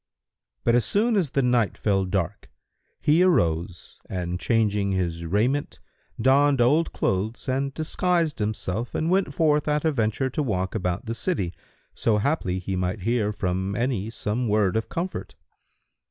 But as soon as the night fell dark, he arose and changing his raiment, donned old clothes and disguised himself and went forth at a venture to walk about the city, so haply he might hear from any some word of comfort.